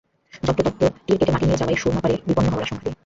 যত্রতত্র তীর কেটে মাটি নিয়ে যাওয়ায় সুরমাপাড় বিপন্ন হওয়ার আশঙ্কা দেখা দিয়েছে।